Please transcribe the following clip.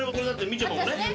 みちょぱもね。